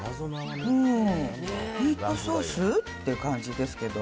うーん、ミートソース？っていう感じですけど。